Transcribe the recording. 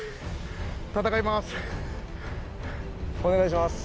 お願いします。